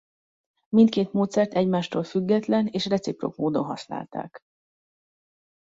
Mindkét módszert egymástól független és reciprok módon használták.